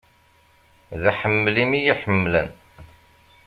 D aḥemmel-im i y-iḥemmlen.